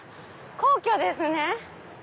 皇居ですね！